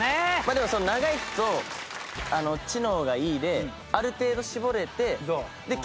でも長生きと知能がいいである程度絞れて臼歯の瞬間